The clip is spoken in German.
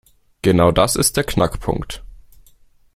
Genau das ist der Knackpunkt.